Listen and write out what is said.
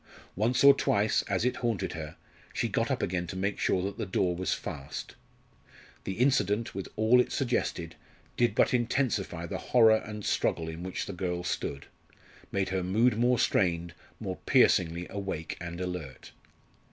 Once or twice, as it haunted her, she got up again to make sure that the door was fast. The incident, with all it suggested, did but intensify the horror and struggle in which the girl stood, made her mood more strained, more piercingly awake and alert.